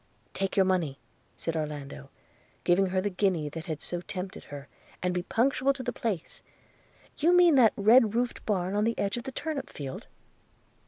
'Take your money,' said Orlando, giving her the guinea that had so tempted her, 'and be punctual to the place – You mean that red roof'd barn on the edge of the turnip field?'